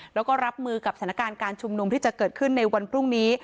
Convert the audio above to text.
แล้วก็รับมือกับสถานการณ์การชุมนุมที่จะเกิดขึ้นในวันพรุ่งนี้